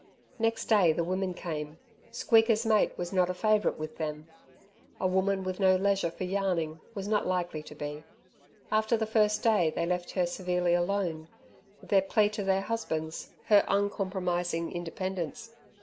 Next day the women came. Squeaker's mate was not a favourite with them a woman with no leisure for yarning was not likely to be. After the first day they left her severely alone, their plea to their husbands, her uncompromising independence.